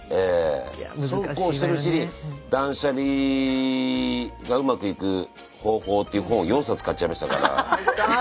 そうこうしてるうちに断捨離がうまくいく方法っていう本を４冊買っちゃいましたから。